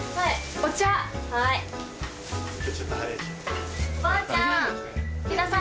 おばあちゃん。